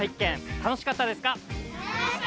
楽しかったです！